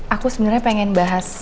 aku sebenernya pengen bahas